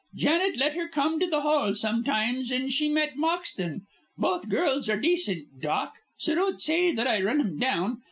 Janet let her come to the hall sometimes, and she met Moxton. Both girls are decent, doc, so don't say that I run 'em down.